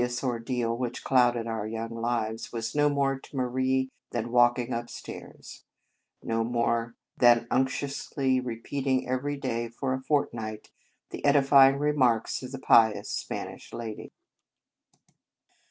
This hid eous ordeal, which clouded our young lives, was no more to Marie than walking upstairs, no more than unctuously repeating every day for a fortnight the edifying remarks of the pious Spanish lady.